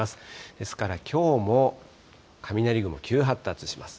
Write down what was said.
ですから、きょうも雷雲、急発達します。